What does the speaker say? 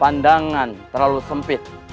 pandangan terlalu sempit